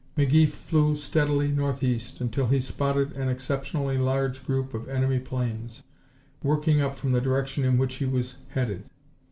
McGee flew steadily northeast until he spotted an exceptionally large group of enemy planes, working up from the direction in which he was headed.